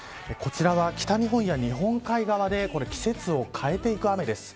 北日本や日本海側で季節を変えていく雨です。